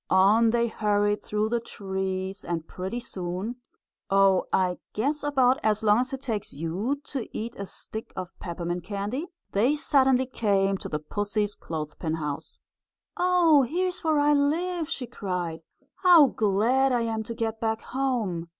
On they hurried through the trees, and pretty soon Oh, I guess about as long as it takes you to eat a stick of peppermint candy they suddenly came to the pussy's clothespin house. "Oh, here's where I live!" she cried. "How glad I am to get back home!"